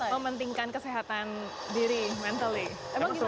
mementingkan kesehatan diri mentalnya